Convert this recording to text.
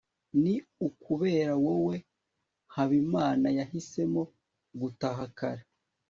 ni ukubera wowe habimana yahisemo gutaha kare